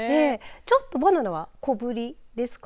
ちょっとバナナは小ぶりですか。